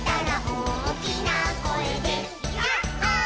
「おおきなこえでヤッホー」